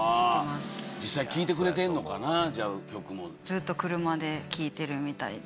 ずっと車で聴いてるみたいで。